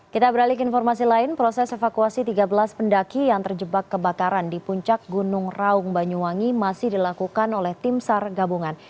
kita beralih ke informasi lain proses evakuasi tiga belas pendaki yang terjebak kebakaran di puncak gunung raung banyuwangi masih dilakukan oleh tim sar gabungan